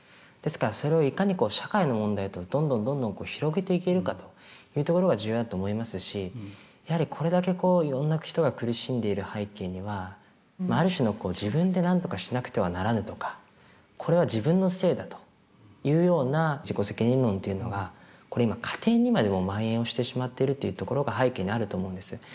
ですからそれをいかに社会の問題とどんどんどんどん広げていけるかというところが重要だと思いますしやはりこれだけいろんな人が苦しんでいる背景にはある種の自分でなんとかしなくてはならぬとかこれは自分のせいだというような自己責任論っていうのがこれ今家庭にまでもまん延をしてしまってるっていうところが背景にあると思うんです。